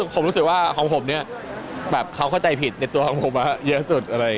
ผมรู้สึกว่าของผมเขาเข้าใจผิดในตัวของผมมาเยอะสุด